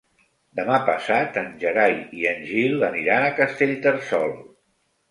Demà passat en Gerai i en Gil aniran a Castellterçol.